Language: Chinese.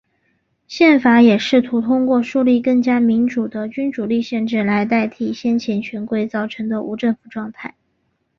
宪法也试图通过树立更加民主的君主立宪制来替代先前权贵造成的无政府状态。